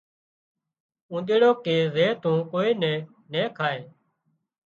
اونۮيڙو ڪي زي تون ڪوئي نين نين کائي